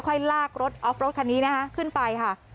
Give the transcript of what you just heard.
ลากรถออฟรถคันนี้นะคะขึ้นไปค่ะ